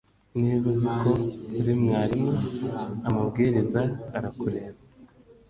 Niba uzi ko uri mwarimu amabwiriza arakureba